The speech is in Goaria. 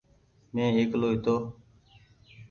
مينٚ اڪيلو هيتو